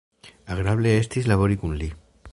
Agrable estis labori kun li.